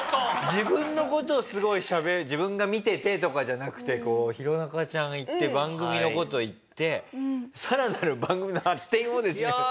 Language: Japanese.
自分の事をすごいしゃべる自分が見ててとかじゃなくて弘中ちゃん言って番組の事言ってさらなる番組の発展をで締める。